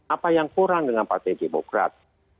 apa yang kurang dengan partai demokrat